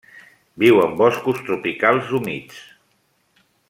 Viu en boscos tropicals humits.